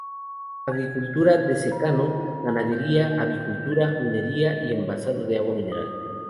Agricultura de secano, ganadería, avicultura, minería y envasado de agua mineral.